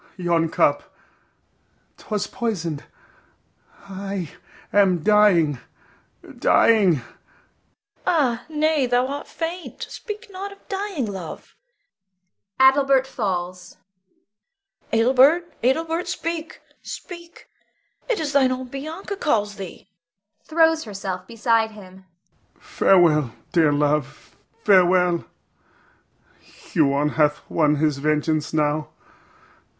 Yon cup, 'twas poisoned! I am dying, dying! Bianca. Ah, nay, thou art faint! Speak not of dying, love. [Adelbert falls.] Adelbert, Adelbert, speak! speak! It is thine own Bianca calls thee! [Throws herself beside him.] Adel. Farewell, dear love, farewell! Huon hath won his vengeance now.